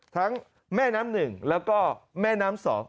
แม่น้ำหนึ่งแล้วก็แม่น้ำสอง